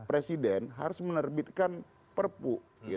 presiden harus menerbitkan perpu